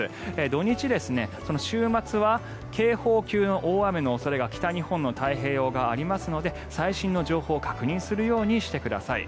土日、週末は警報級の大雨の恐れが北日本の太平洋側にありますので最新の情報を確認するようにしてください。